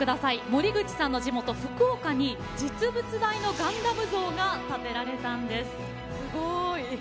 森口さんの地元福岡に実物大のガンダム像が建てられたんです。